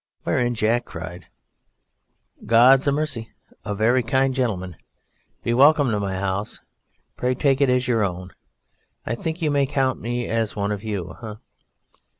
Whereat Jack cried "God 'a' mercy, a very kind gentleman! Be welcome to my house. Pray take it as your own. I think you may count me one of you?